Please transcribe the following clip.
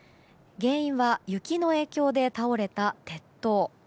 原因は、雪の影響で倒れた鉄塔。